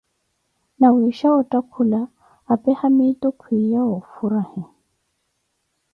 Nawisha otthakula, apee haamitu kwiiya wa ofurahi.